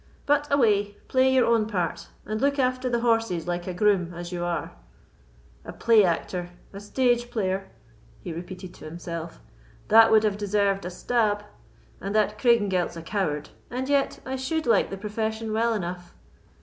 But away, play your own part, and look after the horses like a groom as you are. A play actor—a stage player!" he repeated to himself; "that would have deserved a stab, but that Craigengelt's a coward. And yet I should like the profession well enough.